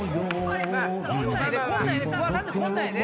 こんなんやで